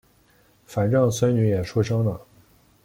反正孙女也出生了